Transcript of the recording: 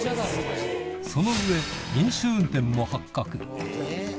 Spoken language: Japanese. その上、飲酒運転も発覚。